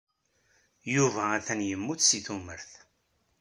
Yuba atan yemmut seg tumert.